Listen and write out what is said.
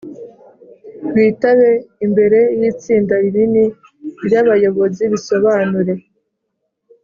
bitabe imbere y itsinda rinini ry abayobozi bisobanure